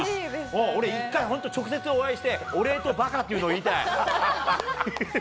俺１回、直接お会いしてお礼と馬鹿っていうのを言いたい。